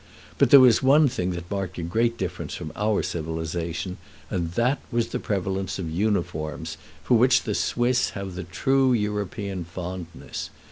But there was one thing that marked a great difference from our civilization, and that was the prevalence of uniforms, for which the Swiss have the true European fondness.